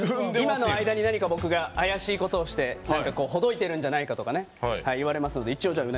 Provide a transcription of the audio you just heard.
今の間に僕が妖しいことをしてほどいてるんじゃないかと言われるので。